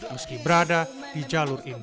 meski berada di jalur ini